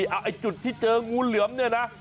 เอาไอ้จุดที่เจองูเหลือมเนี่ยนะ